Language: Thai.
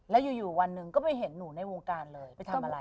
แล้วอยู่วันหนึ่งก็ไปเห็นหนูในวงการเลยไปทำอะไร